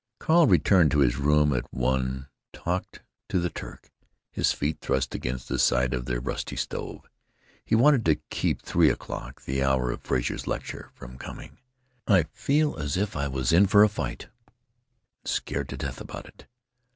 Carl returned to his room at one; talked to the Turk, his feet thrust against the side of their rusty stove. He wanted to keep three o'clock, the hour of Frazer's lecture, from coming. "I feel as if I was in for a fight and scared to death about it.